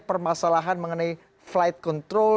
permasalahan mengenai flight control